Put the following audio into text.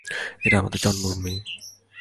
এটা আমাদের জন্মভূমি।